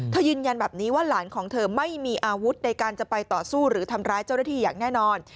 ยืนยันแบบนี้ว่าหลานของเธอไม่มีอาวุธในการจะไปต่อสู้หรือทำร้ายเจ้าหน้าที่อย่างแน่นอน